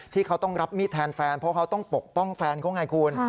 ที่เขาต้องรับมีดแทนแฟนเพราะเขาต้องปกป้องแฟนเขาไงคุณ